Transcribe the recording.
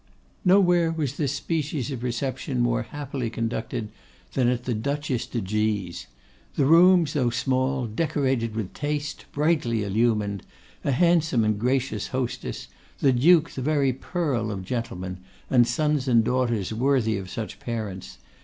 Nowhere was this species of reception more happily conducted than at the Duchess de G t's. The rooms, though small, decorated with taste, brightly illumined; a handsome and gracious hostess, the Duke the very pearl of gentlemen, and sons and daughters worthy of such parents.